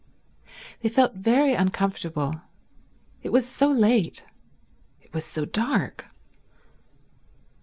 They felt very uncomfortable. It was so late. It was so dark.